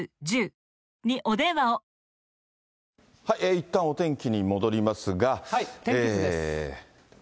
いったんお天気に戻りますが。